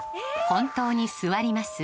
本当に座ります？